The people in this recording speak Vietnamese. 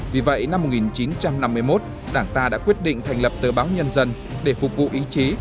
vì vậy năm một nghìn chín trăm năm mươi một đảng ta đã quyết định thành lập tờ báo nhân dân để phục vụ ý chí